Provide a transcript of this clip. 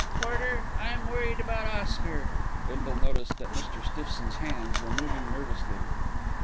"Porter, I'm worried about Oscar." Bindle noticed that Mr. Stiffson's hands were moving nervously.